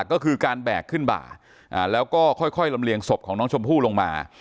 ก็คือการแบกขึ้นบ่าแล้วก็ค่อยลำเลียงศพของน้องชมพู่ลงมา